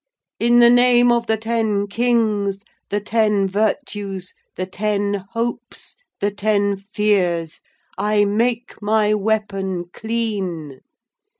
In the name of the ten kings, the ten virtues, the ten hopes, the ten fears I make my weapon clean!